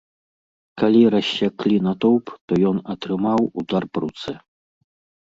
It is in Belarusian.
Калі рассякалі натоўп, то ён атрымаў удар па руцэ.